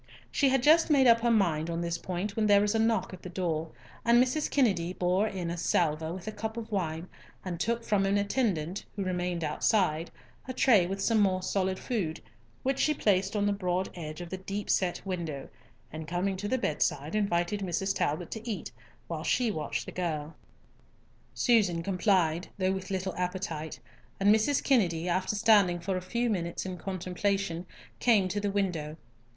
She had just made up her mind on this point when there was a knock at the door, and Mrs. Kennedy bore in a salver with a cup of wine, and took from an attendant, who remained outside, a tray with some more solid food, which she placed on the broad edge of the deep set window, and coming to the bedside, invited Mrs. Talbot to eat, while she watched the girl. Susan complied, though with little appetite, and Mrs. Kennedy, after standing for a few minutes in contemplation, came to the window.